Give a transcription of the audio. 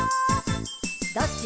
「どっち？」